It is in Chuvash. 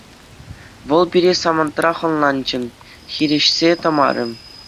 Вӑл пире самантрах ӑнланчӗ, хирӗҫсе тӑмарӗ.